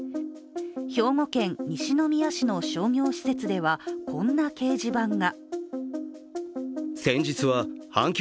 兵庫県西宮市の商業施設ではこんな掲示板が。